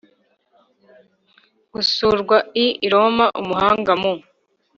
gusurwa i Roma Umuhanga mu